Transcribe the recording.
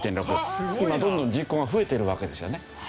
今どんどん人口が増えてるわけですよね。